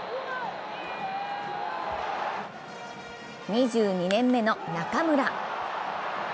２２年目の中村。